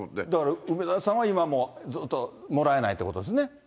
だから、梅沢さんは今もずっともらえないってことですね。